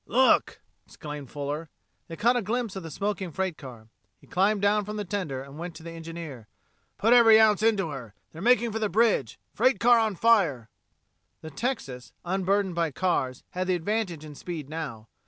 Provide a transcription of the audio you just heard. "Look!" exclaimed Fuller. They caught a glimpse of the smoking freight car. He climbed down from the tender and went to the engineer. "Put every ounce into her! They're making for the bridge freight car on fire!" The Texas, unburdened by cars, had the advantage in speed now.